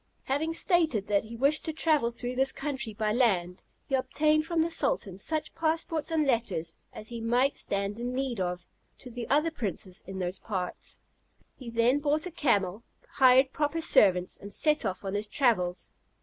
Having stated that he wished to travel through his country by land, he obtained from the sultan such passports and letters as he might stand in need of, to the other princes in those parts. He then bought a camel, hired proper servants, and set off on his travels.